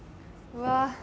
うわ！